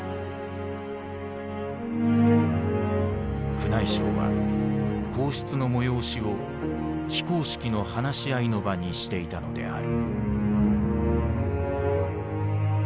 宮内省は皇室の催しを非公式の話し合いの場にしていたのである。